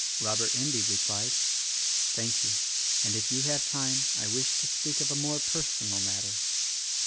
Robert Endy replied, v 'Thank you, and if you have time, I wish to speak of a more personal matter."